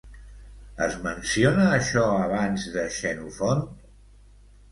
Es menciona això abans de Xenofont?